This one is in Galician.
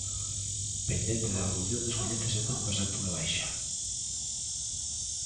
Pendente da evolución, descoñécese o tempo exacto de baixa.